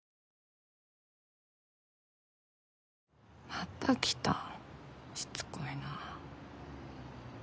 ・また来たしつこいなぁ。